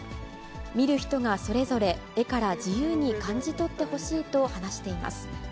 見る人がそれぞれ、絵から自由に感じ取ってほしいと話しています。